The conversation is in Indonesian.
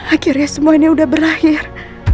akhirnya semuanya sudah berakhir